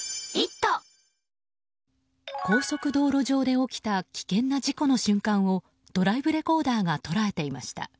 高速道路上で起きた危険な事故の瞬間をドライブレコーダーが捉えていました。